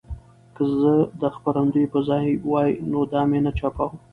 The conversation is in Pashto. که زه د خپرندوی په ځای وای نو دا مې نه چاپوه.